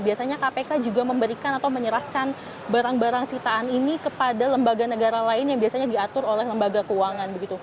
biasanya kpk juga memberikan atau menyerahkan barang barang sitaan ini kepada lembaga negara lain yang biasanya diatur oleh lembaga keuangan